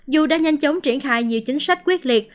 dù đã nhanh chóng triển khai nhiều chính sách quyết liệt